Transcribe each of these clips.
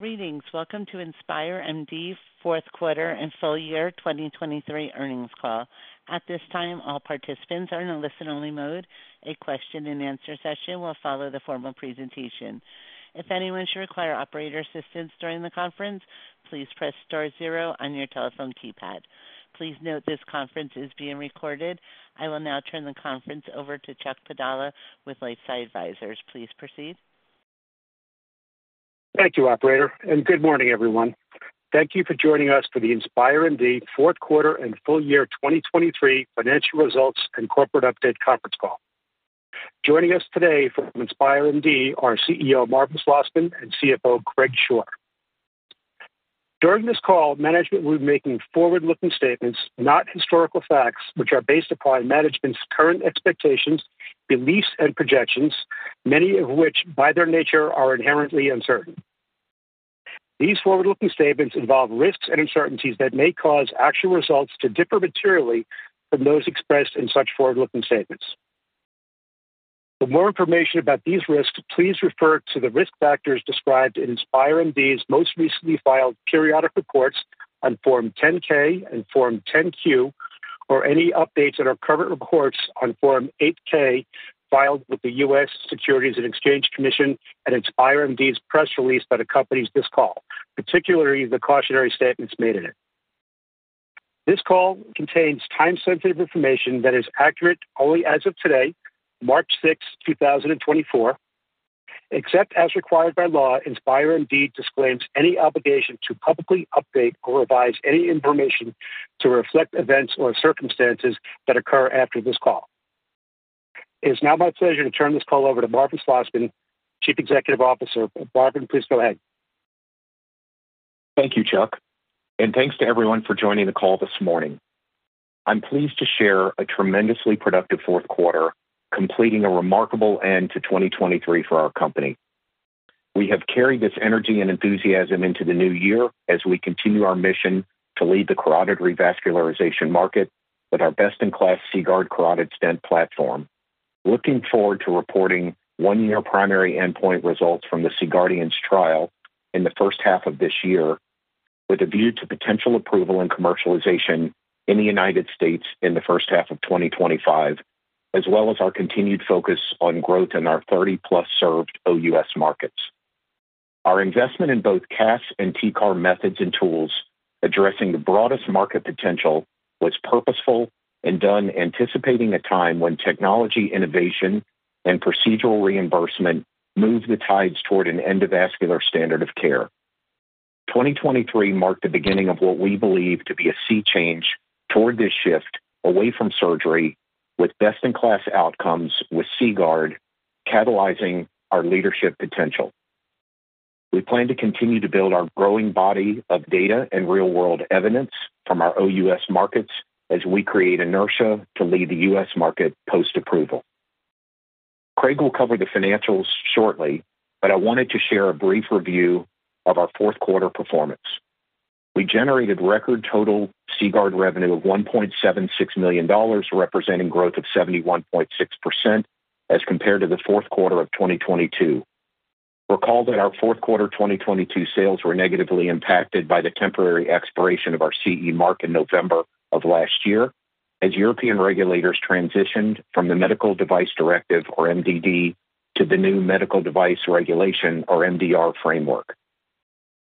Greetings. Welcome to InspireMD's Fourth Quarter and Full Year 2023 Earnings Call. At this time, all participants are in a listen-only mode. A question-and-answer session will follow the formal presentation. If anyone should require operator assistance during the conference, please press star zero on your telephone keypad. Please note this conference is being recorded. I will now turn the conference over to Chuck Padala with LifeSci Advisors. Please proceed. Thank you, operator, and good morning, everyone. Thank you for joining us for the InspireMD fourth quarter and full year 2023 financial results and corporate update conference call. Joining us today from InspireMD are CEO Marvin Slosman and CFO Craig Shore. During this call, management will be making forward-looking statements, not historical facts, which are based upon management's current expectations, beliefs, and projections, many of which, by their nature, are inherently uncertain. These forward-looking statements involve risks and uncertainties that may cause actual results to differ materially from those expressed in such forward-looking statements. For more information about these risks, please refer to the risk factors described in InspireMD's most recently filed periodic reports on Form 10-K and Form 10-Q, or any updates on our current reports on Form 8-K filed with the U.S. Securities and Exchange Commission and InspireMD's press release that accompanies this call, particularly the cautionary statements made in it. This call contains time-sensitive information that is accurate only as of today, March 6, 2024. Except as required by law, InspireMD disclaims any obligation to publicly update or revise any information to reflect events or circumstances that occur after this call. It is now my pleasure to turn this call over to Marvin Slosman, Chief Executive Officer. Marvin, please go ahead. Thank you, Chuck, and thanks to everyone for joining the call this morning. I'm pleased to share a tremendously productive fourth quarter, completing a remarkable end to 2023 for our company. We have carried this energy and enthusiasm into the new year as we continue our mission to lead the carotid revascularization market with our best-in-class CGuard carotid stent platform. Looking forward to reporting one-year primary endpoint results from the C-GUARDIANS trial in the first half of this year, with a view to potential approval and commercialization in the United States in the first half of 2025, as well as our continued focus on growth in our 30+ served OUS markets. Our investment in both CAS and TCAR methods and tools addressing the broadest market potential was purposeful and done anticipating a time when technology innovation and procedural reimbursement moved the tides toward an endovascular standard of care. 2023 marked the beginning of what we believe to be a sea change toward this shift away from surgery, with best-in-class outcomes with CGuard, catalyzing our leadership potential. We plan to continue to build our growing body of data and real-world evidence from our OUS markets as we create inertia to lead the U.S. market post-approval. Craig will cover the financials shortly, but I wanted to share a brief review of our fourth quarter performance. We generated record total CGuard revenue of $1.76 million, representing growth of 71.6% as compared to the fourth quarter of 2022. Recall that our fourth quarter 2022 sales were negatively impacted by the temporary expiration of our CE Mark in November of last year, as European regulators transitioned from the Medical Device Directive, or MDD, to the new Medical Device Regulation, or MDR, framework.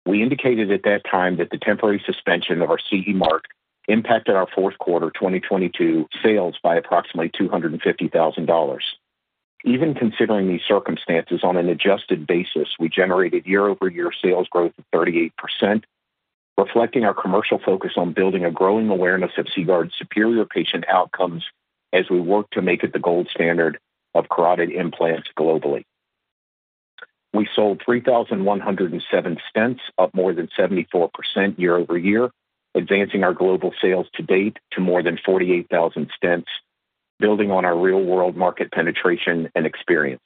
We indicated at that time that the temporary suspension of our CE Mark impacted our fourth quarter 2022 sales by approximately $250,000. Even considering these circumstances, on an adjusted basis, we generated year-over-year sales growth of 38%, reflecting our commercial focus on building a growing awareness of CGuard's superior patient outcomes as we work to make it the gold standard of carotid implants globally. We sold 3,107 stents, up more than 74% year over year, advancing our global sales to date to more than 48,000 stents, building on our real-world market penetration and experience.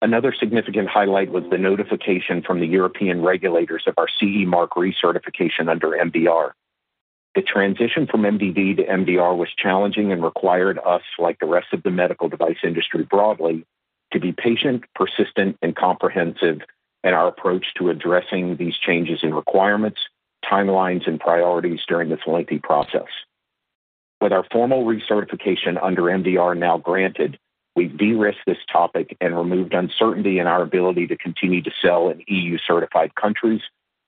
Another significant highlight was the notification from the European regulators of our CE Mark recertification under MDR. The transition from MDD to MDR was challenging and required us, like the rest of the medical device industry broadly, to be patient, persistent, and comprehensive in our approach to addressing these changes in requirements, timelines, and priorities during this lengthy process. With our formal recertification under MDR now granted, we've de-risked this topic and removed uncertainty in our ability to continue to sell in EU-certified countries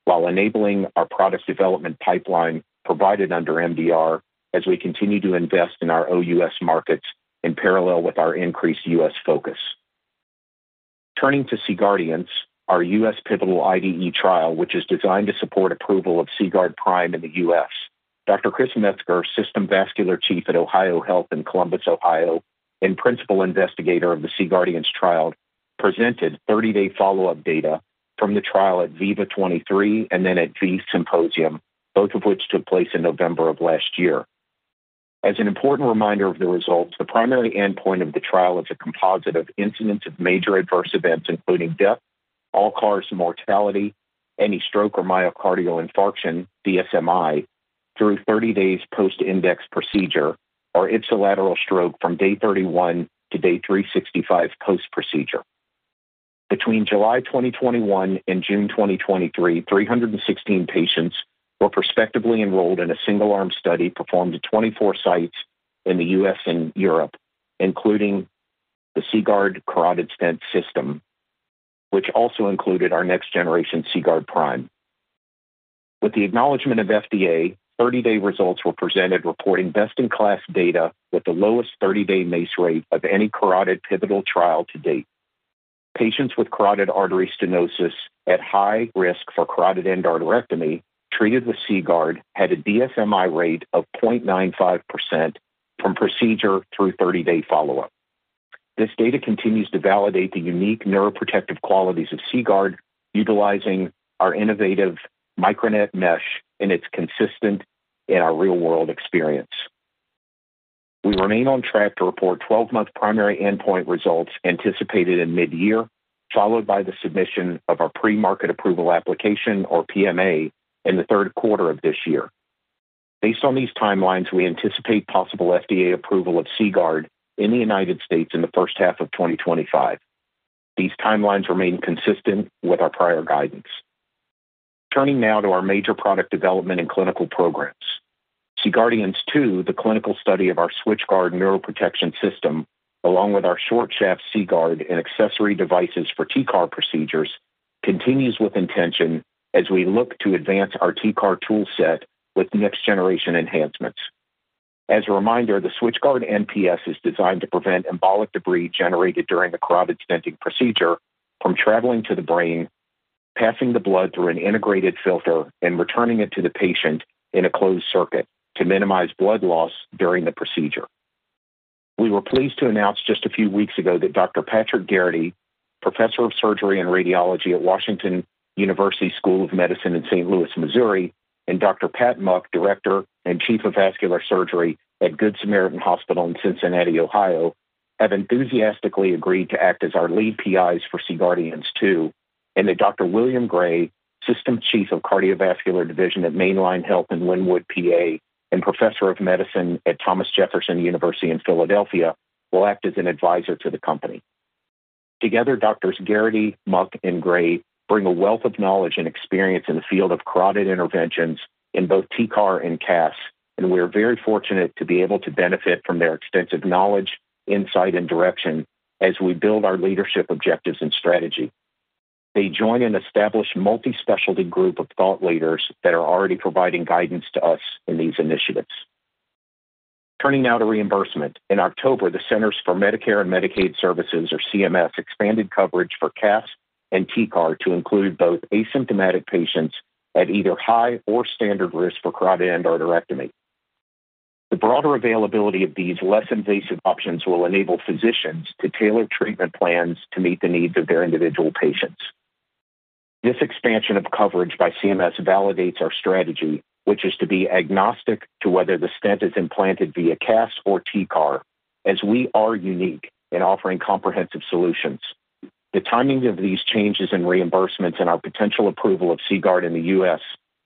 while enabling our product development pipeline provided under MDR as we continue to invest in our OUS markets in parallel with our increased U.S. focus. Turning to C-GUARDIANS, our U.S. pivotal IDE trial, which is designed to support approval of CGuard Prime in the U.S. Dr. Chris Metzger, System Vascular Chief at OhioHealth in Columbus, Ohio, and Principal Investigator of the C-GUARDIANS trial, presented 30-day follow-up data from the trial at VIVA 23 and then at VEITHsymposium, both of which took place in November of last year. As an important reminder of the results, the primary endpoint of the trial is a composite of incidence of major adverse events, including death, all-cause mortality, any stroke, or myocardial infarction, DSMI through 30 days post-index procedure or ipsilateral stroke from day 31 to day 365 post-procedure. Between July 2021 and June 2023, 316 patients were prospectively enrolled in a single arm study performed at 24 sites in the U.S. and Europe, including the CGuard carotid stent system, which also included our next generation CGuard Prime. With the acknowledgment of FDA, 30-day results were presented, reporting best-in-class data with the lowest 30-day MACE rate of any carotid pivotal trial to date. Patients with carotid artery stenosis at high risk for carotid endarterectomy, treated with CGuard, had a DSMI rate of 0.95% from procedure through 30-day follow-up. This data continues to validate the unique neuroprotective qualities of CGuard, utilizing our innovative MicroNet mesh, and it's consistent in our real-world experience. We remain on track to report 12-month primary endpoint results anticipated in mid-year, followed by the submission of our Premarket Approval application, or PMA, in the third quarter of this year. Based on these timelines, we anticipate possible FDA approval of CGuard in the United States in the first half of 2025. These timelines remain consistent with our prior guidance. Turning now to our major product development and clinical programs. C-GUARDIANS II, the clinical study of our SwitchGuard Neuroprotection System, along with our short shaft CGuard and accessory devices for TCAR procedures, continues with intention as we look to advance our TCAR tool set with next-generation enhancements. As a reminder, the SwitchGuard NPS is designed to prevent embolic debris generated during the carotid stenting procedure from traveling to the brain, passing the blood through an integrated filter, and returning it to the patient in a closed circuit to minimize blood loss during the procedure. We were pleased to announce just a few weeks ago that Dr. Patrick Geraghty, Professor of Surgery and Radiology at Washington University School of Medicine in St. Louis, Missouri, and Dr. Pat Muck, Director and Chief of Vascular Surgery at Good Samaritan Hospital in Cincinnati, Ohio, have enthusiastically agreed to act as our lead PIs for C-GUARDIANS II, and that Dr. William Gray, System Chief of Cardiovascular Division at Main Line Health in Wynnewood, PA, and Professor of Medicine at Thomas Jefferson University in Philadelphia, will act as an advisor to the company. Together, Drs. Geraghty, Muck, and Gray bring a wealth of knowledge and experience in the field of carotid interventions in both TCAR and CAS, and we are very fortunate to be able to benefit from their extensive knowledge, insight, and direction as we build our leadership, objectives and strategy. They join an established multi-specialty group of thought leaders that are already providing guidance to us in these initiatives. Turning now to reimbursement. In October, the Centers for Medicare & Medicaid Services, or CMS, expanded coverage for CAS and TCAR to include both asymptomatic patients at either high or standard risk for carotid endarterectomy. The broader availability of these less invasive options will enable physicians to tailor treatment plans to meet the needs of their individual patients. This expansion of coverage by CMS validates our strategy, which is to be agnostic to whether the stent is implanted via CAS or TCAR, as we are unique in offering comprehensive solutions. The timing of these changes in reimbursements and our potential approval of CGuard in the U.S.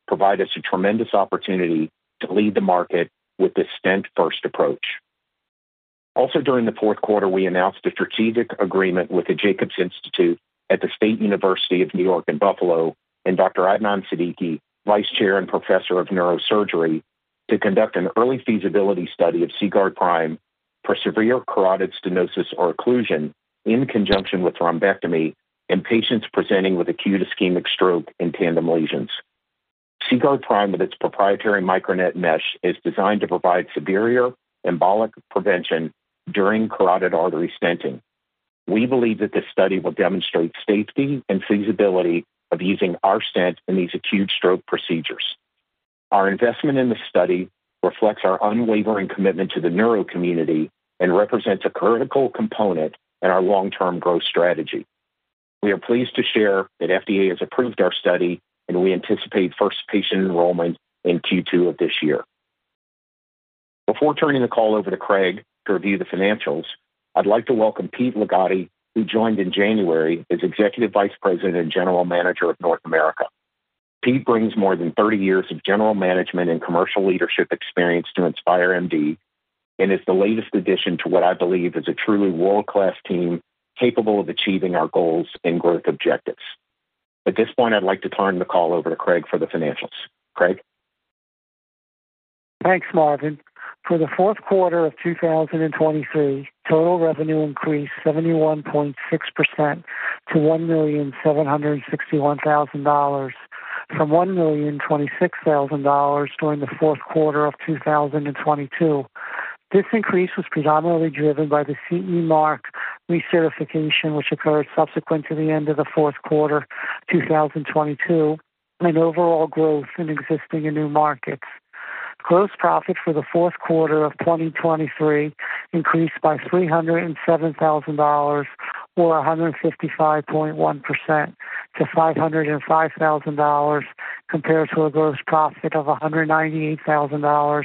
provide us a tremendous opportunity to lead the market with this stent-first approach. Also, during the fourth quarter, we announced a strategic agreement with the Jacobs Institute at the State University of New York at Buffalo, and Dr. Adnan Siddiqui, Vice Chair and Professor of Neurosurgery, to conduct an early feasibility study of CGuard Prime for severe carotid stenosis or occlusion in conjunction with thrombectomy in patients presenting with acute ischemic stroke and tandem lesions. CGuard Prime, with its proprietary MicroNet mesh, is designed to provide superior embolic prevention during carotid artery stenting. We believe that this study will demonstrate safety and feasibility of using our stent in these acute stroke procedures. Our investment in this study reflects our unwavering commitment to the neuro community and represents a critical component in our long-term growth strategy. We are pleased to share that FDA has approved our study, and we anticipate first patient enrollment in Q2 of this year. Before turning the call over to Craig to review the financials, I'd like to welcome Pete Ligotti, who joined in January as Executive Vice President and General Manager of North America. Pete brings more than 30 years of general management and commercial leadership experience to InspireMD and is the latest addition to what I believe is a truly world-class team capable of achieving our goals and growth objectives. At this point, I'd like to turn the call over to Craig for the financials. Craig? Thanks, Marvin. For the fourth quarter of 2023, total revenue increased 71.6% to $1,761,000 from $1,026,000 during the fourth quarter of 2022. This increase was predominantly driven by the CE Mark recertification, which occurred subsequent to the end of the fourth quarter of 2022, and overall growth in existing and new markets. Gross profit for the fourth quarter of 2023 increased by $307,000 or 155.1% to $505,000 compared to a gross profit of $198,000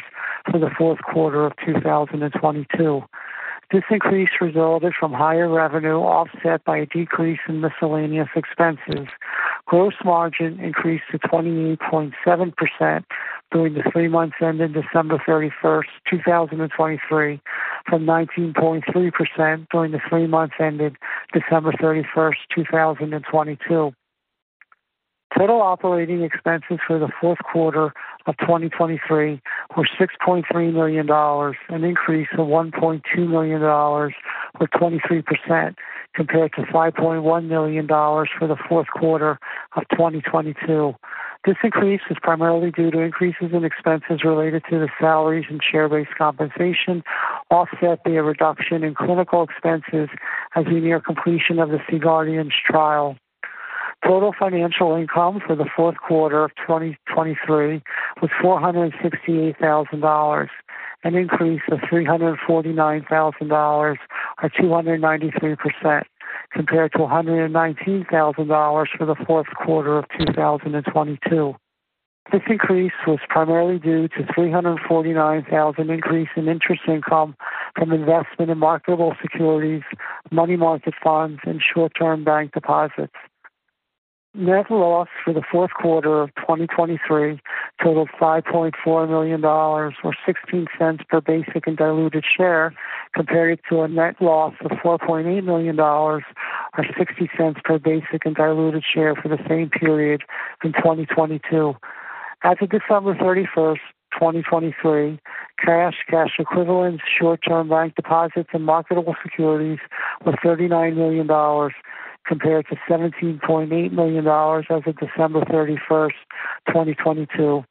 for the fourth quarter of 2022. This increase resulted from higher revenue, offset by a decrease in miscellaneous expenses. Gross margin increased to 28.7% during the three months ended December 31, 2023 from 19.3% during the three months ended December 31, 2022. Total operating expenses for the fourth quarter of 2023 were $6.3 million, an increase of $1.2 million or 23%, compared to $5.1 million for the fourth quarter of 2022. This increase is primarily due to increases in expenses related to the salaries and share-based compensation, offset by a reduction in clinical expenses as we near completion of the C-GUARDIANS trial. Total financial income for the fourth quarter of 2023 was $468,000 an increase of $349,000 or 293%, compared to $119,000 for the fourth quarter of 2022. This increase was primarily due to three hundred and forty-nine thousand increase in interest income from investment in marketable securities, money market funds, and short-term bank deposits. Net loss for the fourth quarter of 2023 totaled $5.4 million, or $0.16 per basic and diluted share, compared to a net loss of $4.8 million, or $0.60 per basic and diluted share for the same period in 2022. As of December 31, 2023 cash, cash equivalents, short-term bank deposits, and marketable securities were $39 million, compared to $17.8 million as of December 31, 2022.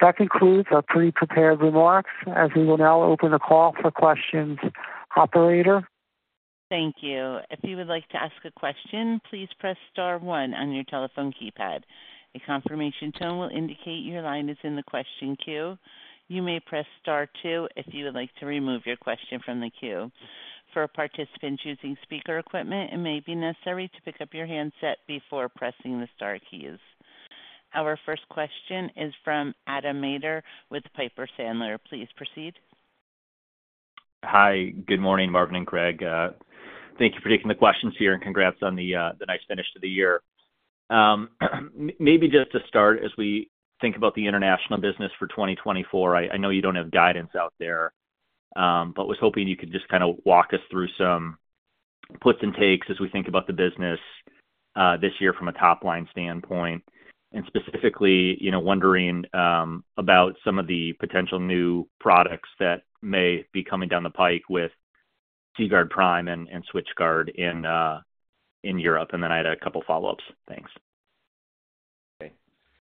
That concludes our pre-prepared remarks, as we will now open the call for questions. Operator? Thank you. If you would like to ask a question, please press star one on your telephone keypad. A confirmation tone will indicate your line is in the question queue. You may press star two if you would like to remove your question from the queue. For a participant using speaker equipment, it may be necessary to pick up your handset before pressing the star keys. Our first question is from Adam Maeder with Piper Sandler. Please proceed. Hi, good morning, Marvin and Craig. Thank you for taking the questions here, and congrats on the nice finish to the year. Maybe just to start, as we think about the international business for 2024, I know you don't have guidance out there, but was hoping you could just kind of walk us through some puts and takes as we think about the business this year from a top-line standpoint, and specifically, you know, wondering about some of the potential new products that may be coming down the pike with CGuard Prime and SwitchGuard in Europe. And then I had a couple follow-ups. Thanks.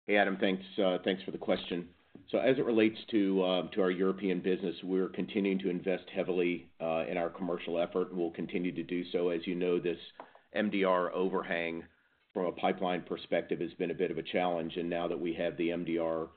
Hey, Adam, thanks. Thanks for the question. So as it relates to our European business, we're continuing to invest heavily in our commercial effort, and we'll continue to do so. As you know, this MDR overhang from a pipeline perspective has been a bit of a challenge, and now that we have the MDR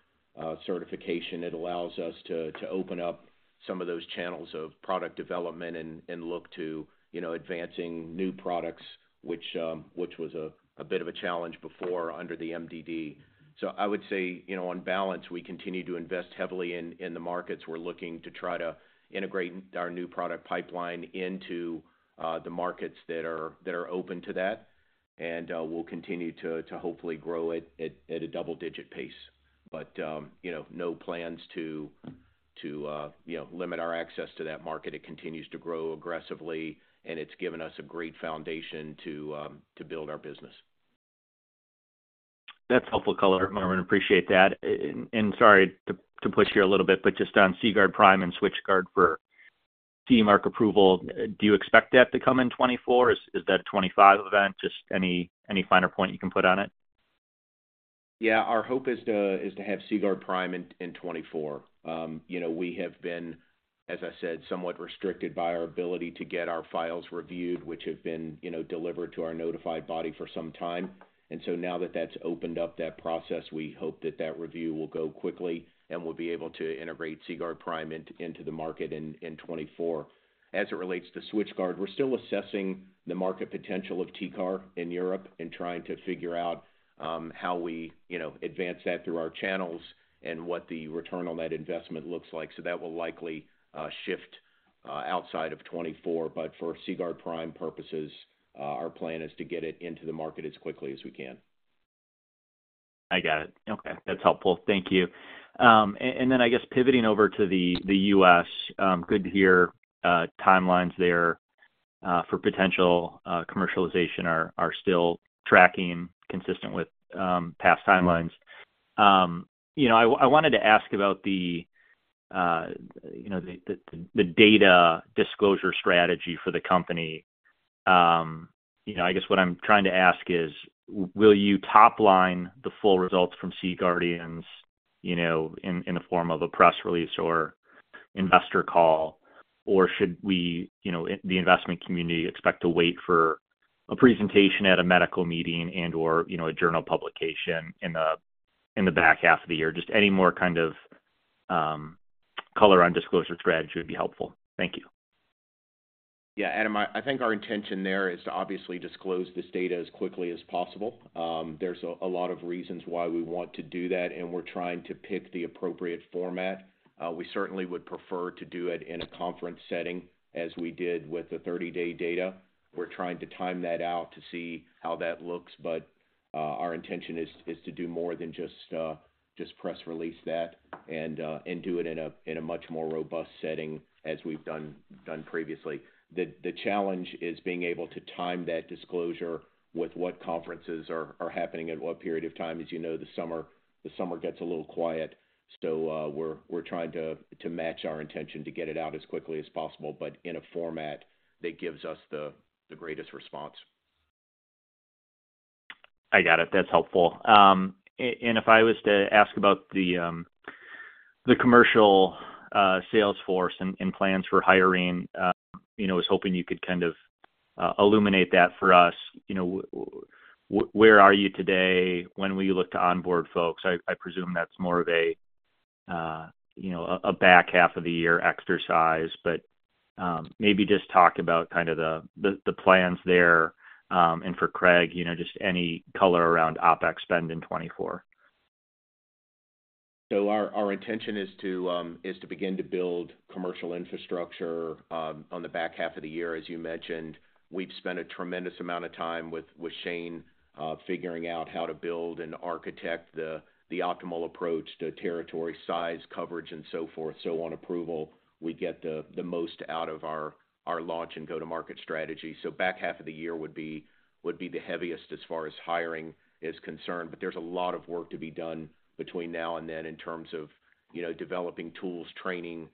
certification, it allows us to open up some of those channels of product development and look to, you know, advancing new products, which was a bit of a challenge before under the MDD. So I would say, you know, on balance, we continue to invest heavily in the markets. We're looking to try to integrate our new product pipeline into the markets that are open to that, and we'll continue to hopefully grow it at a double-digit pace. But, you know, no plans to you know limit our access to that market. It continues to grow aggressively, and it's given us a great foundation to build our business. That's helpful color, Marvin, appreciate that. Sorry to push you a little bit, but just on CGuard Prime and SwitchGuard for CE Mark approval, do you expect that to come in 2024? Is that a 2025 event? Just any finer point you can put on it? Yeah. Our hope is to have CGuard Prime in 2024. You know, we have been, as I said, somewhat restricted by our ability to get our files reviewed, which have been, you know, delivered to our notified body for some time. And so now that that's opened up that process, we hope that that review will go quickly, and we'll be able to integrate CGuard Prime into the market in 2024. As it relates to SwitchGuard, we're still assessing the market potential of TCAR in Europe and trying to figure out how we, you know, advance that through our channels and what the return on that investment looks like. So that will likely shift outside of 2024. But for CGuard Prime purposes, our plan is to get it into the market as quickly as we can. I got it. Okay, that's helpful. Thank you. And then I guess pivoting over to the U.S., good to hear timelines there for potential commercialization are still tracking consistent with past timelines. You know, I wanted to ask about the data disclosure strategy for the company. You know, I guess what I'm trying to ask is, will you top-line the full results from C-GUARDIANS, you know, in the form of a press release or investor call? Or should we, you know, the investment community, expect to wait for a presentation at a medical meeting and/or, you know, a journal publication in the back half of the year? Just any more kind of color on disclosure strategy would be helpful. Thank you. Yeah, Adam, I think our intention there is to obviously disclose this data as quickly as possible. There's a lot of reasons why we want to do that, and we're trying to pick the appropriate format. We certainly would prefer to do it in a conference setting as we did with the 30-day data. We're trying to time that out to see how that looks, but our intention is to do more than just press release that and do it in a much more robust setting as we've done previously. The challenge is being able to time that disclosure with what conferences are happening at what period of time. As you know, the summer gets a little quiet, so we're trying to match our intention to get it out as quickly as possible, but in a format that gives us the greatest response. I got it. That's helpful. And if I was to ask about the commercial sales force and plans for hiring, you know, I was hoping you could kind of illuminate that for us. You know, where are you today? When will you look to onboard folks? I presume that's more of a, you know, a back half of the year exercise, but, maybe just talk about kind of the plans there. And for Craig, you know, just any color around OpEx spend in 2024. So our intention is to begin to build commercial infrastructure on the back half of the year, as you mentioned. We've spent a tremendous amount of time with Shane figuring out how to build and architect the optimal approach to territory size, coverage, and so forth. So on approval, we get the most out of our launch and go-to-market strategy. So back half of the year would be the heaviest as far as hiring is concerned, but there's a lot of work to be done between now and then in terms of you know, developing tools, training,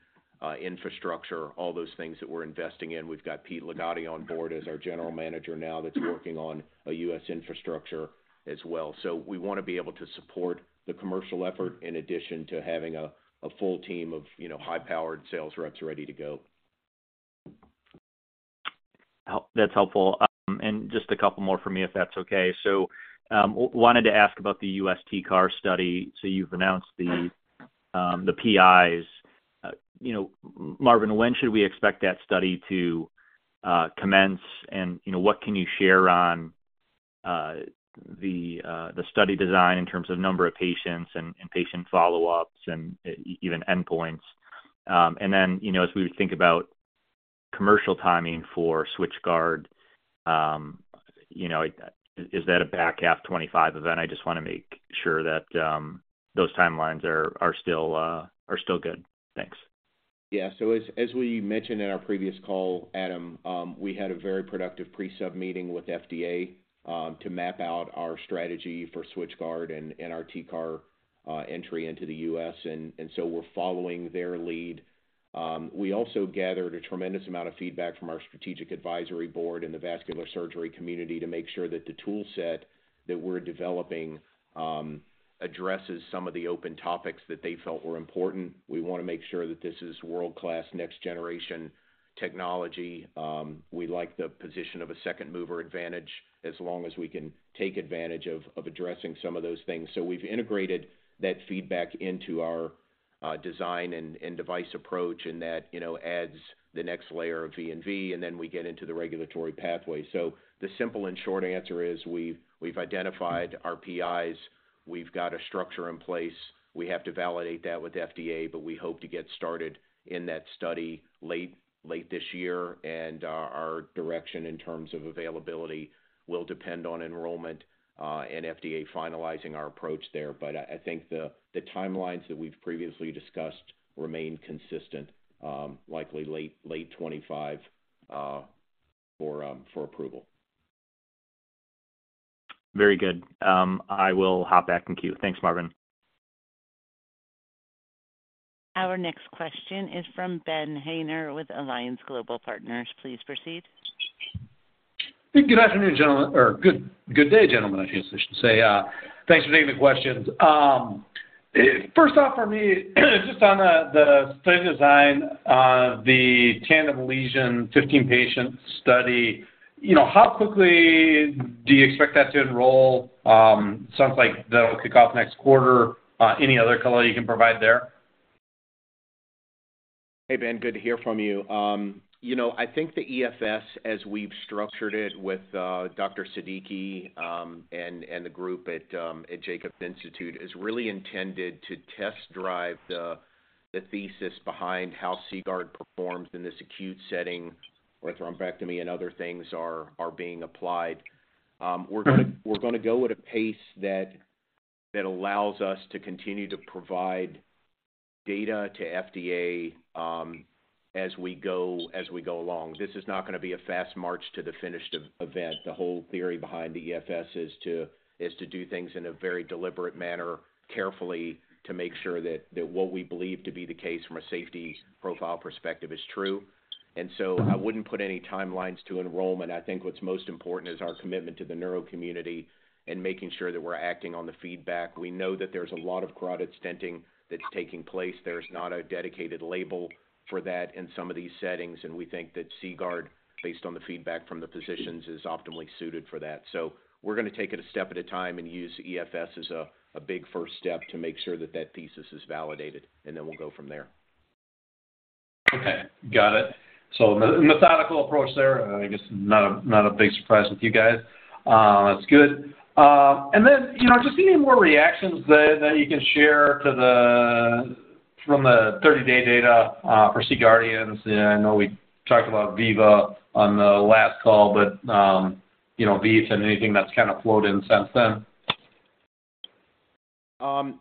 infrastructure, all those things that we're investing in. We've got Pete Ligotti on board as our general manager now that's working on a U.S. infrastructure as well. We want to be able to support the commercial effort in addition to having a full team of, you know, high-powered sales reps ready to go. That's helpful. And just a couple more for me, if that's okay. So, wanted to ask about the U.S. TCAR study. So you've announced the PIs. You know, Marvin, when should we expect that study to commence? And, you know, what can you share on the study design in terms of number of patients and patient follow-ups and even endpoints? And then, you know, as we would think about commercial timing for SwitchGuard, you know, is that a back half 2025 event? I just want to make sure that those timelines are still good. Thanks. Yeah. So as we mentioned in our previous call, Adam, we had a very productive pre-sub meeting with FDA to map out our strategy for SwitchGuard and our TCAR entry into the U.S., and so we're following their lead. We also gathered a tremendous amount of feedback from our strategic advisory board and the vascular surgery community to make sure that the tool set that we're developing addresses some of the open topics that they felt were important. We want to make sure that this is world-class, next-generation technology. We like the position of a second mover advantage as long as we can take advantage of addressing some of those things. So we've integrated that feedback into our design and device approach, and that, you know, adds the next layer of V&V, and then we get into the regulatory pathway. So the simple and short answer is we've identified our PIs, we've got a structure in place. We have to validate that with FDA, but we hope to get started in that study late this year, and our direction in terms of availability will depend on enrollment and FDA finalizing our approach there. But I think the timelines that we've previously discussed remain consistent, likely late 2025 for approval. Very good. I will hop back in queue. Thanks, Marvin. Our next question is from Ben Haynor with Alliance Global Partners. Please proceed. Good afternoon, gentlemen. Or good, good day, gentlemen, I guess I should say. Thanks for taking the questions. First off, for me, just on the study design, the tandem lesion, 15-patient study, you know, how quickly do you expect that to enroll? Sounds like that'll kick off next quarter. Any other color you can provide there? Hey, Ben, good to hear from you. You know, I think the EFS, as we've structured it with Dr. Siddiqui, and the group at Jacobs Institute, is really intended to test drive the thesis behind how CGuard performs in this acute setting, where thrombectomy and other things are being applied. We're gonna go at a pace that allows us to continue to provide data to FDA, as we go along. This is not gonna be a fast march to the finished event. The whole theory behind the EFS is to do things in a very deliberate manner, carefully, to make sure that what we believe to be the case from a safety profile perspective is true. And so I wouldn't put any timelines to enrollment. I think what's most important is our commitment to the neuro community and making sure that we're acting on the feedback. We know that there's a lot of carotid stenting that's taking place. There's not a dedicated label for that in some of these settings, and we think that CGuard, based on the feedback from the physicians, is optimally suited for that. So we're gonna take it a step at a time and use EFS as a big first step to make sure that that thesis is validated, and then we'll go from there. Okay, got it. So methodical approach there, I guess, not a big surprise with you guys. That's good. And then, you know, just any more reactions that you can share to the—from the 30-day data for C-GUARDIANS? I know we talked about VIVA on the last call, but, you know, VIVA and anything that's kind of flowed in since then.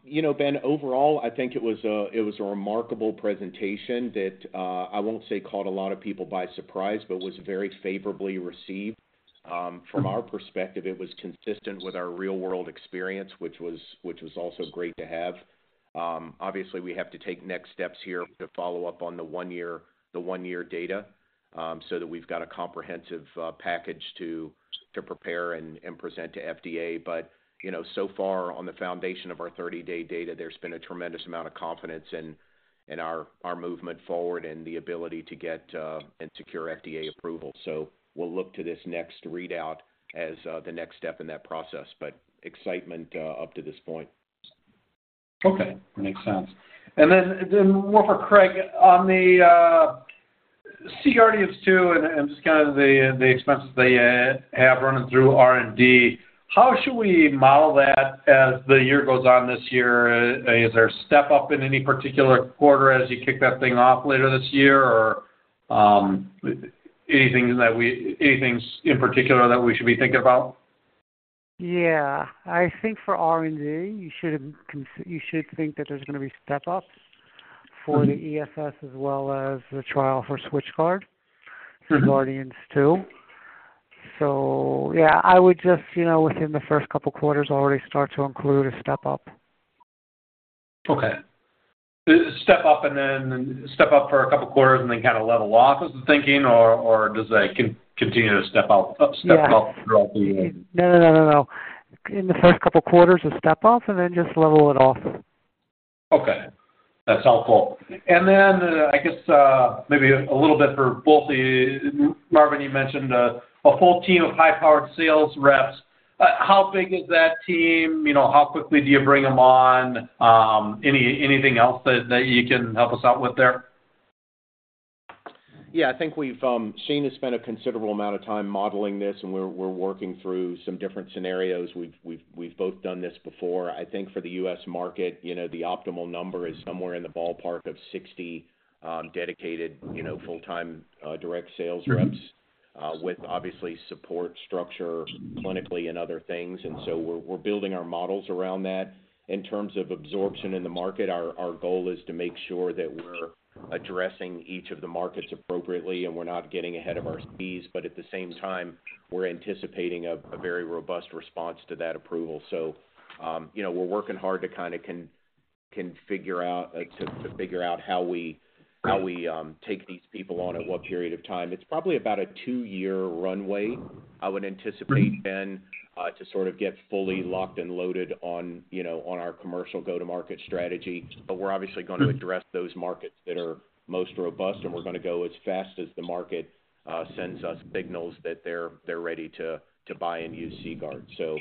You know, Ben, overall, I think it was a, it was a remarkable presentation that, I won't say caught a lot of people by surprise, but was very favorably received. From our perspective, it was consistent with our real-world experience, which was, which was also great to have. Obviously, we have to take next steps here to follow up on the one year, the one-year data, so that we've got a comprehensive package to, to prepare and, and present to FDA. But, you know, so far, on the foundation of our 30-day data, there's been a tremendous amount of confidence in, in our, our movement forward and the ability to get, and secure FDA approval. So we'll look to this next readout as, the next step in that process. But excitement, up to this point. Okay, makes sense. Then one more for Craig. On the C-GUARDIANS II and just kind of the expenses they have running through R&D, how should we model that as the year goes on this year? Is there a step up in any particular quarter as you kick that thing off later this year? Or any things in particular that we should be thinking about? Yeah, I think for R&D, you should think that there's gonna be step ups for the EFS as well as the trial for SwitchGuard, C-GUARDIANS II. So yeah, I would just, you know, within the first couple of quarters, already start to include a step up. Okay. Step up and then step up for a couple of quarters and then kind of level off, is the thinking, or, or does that continue to step out, step up throughout the- No, no, no, no. In the first couple of quarters, a step up, and then just level it off. Okay. That's helpful. And then, I guess, maybe a little bit for both of you. Marvin, you mentioned a full team of high-powered sales reps. How big is that team? You know, how quickly do you bring them on? Anything else that you can help us out with there? Yeah, I think we've, Shane has spent a considerable amount of time modeling this, and we're working through some different scenarios. We've both done this before. I think for the U.S. market, you know, the optimal number is somewhere in the ballpark of 60 dedicated, you know, full-time direct sales reps with obviously support structure, clinically and other things. And so we're building our models around that. In terms of absorption in the market, our goal is to make sure that we're addressing each of the markets appropriately, and we're not getting ahead of ourselves. But at the same time, we're anticipating a very robust response to that approval. So, you know, we're working hard to kind of configure out to figure out how we take these people on at what period of time. It's probably about a two-year runway, I would anticipate, Ben, to sort of get fully locked and loaded on, you know, on our commercial go-to-market strategy. But we're obviously going to address those markets that are most robust, and we're going to go as fast as the market sends us signals that they're ready to buy and use CGuard. So,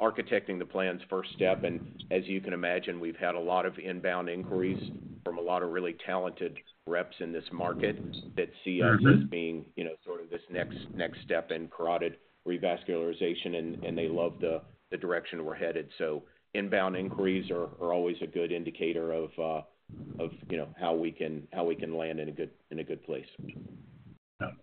architecting the plan's first step, and as you can imagine, we've had a lot of inbound inquiries from a lot of really talented reps in this market that see us as being, you know, sort of this next step in carotid revascularization, and they love the direction we're headed. Inbound inquiries are always a good indicator of, you know, how we can land in a good place.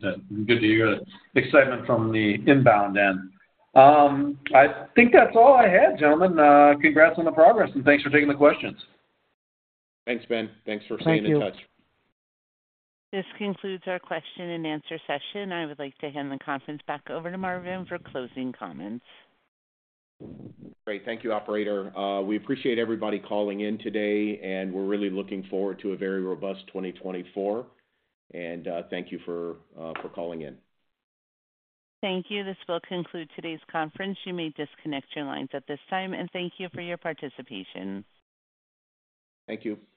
Good to hear excitement from the inbound end. I think that's all I had, gentlemen. Congrats on the progress, and thanks for taking the questions. Thanks, Ben. Thanks for staying in touch. Thank you. This concludes our question and answer session. I would like to hand the conference back over to Marvin for closing comments. Great. Thank you, operator. We appreciate everybody calling in today, and we're really looking forward to a very robust 2024. Thank you for calling in. Thank you. This will conclude today's conference. You may disconnect your lines at this time, and thank you for your participation. Thank you.